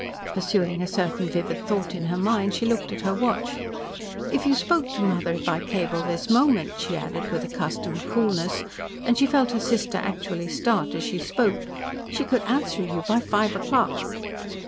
Pursuing a certain vivid thought in her mind, she looked at her watch. "If you spoke to mother by cable this moment," she added, with accustomed coolness, and she felt her sister actually start as she spoke, "she could answer you by five o'clock."